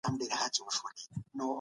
مقاله باید کره او بشپړه وي.